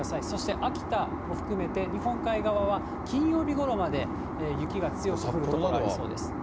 そして秋田も含めて日本海側は金曜日ごろまで雪が強く降る所ありそうです。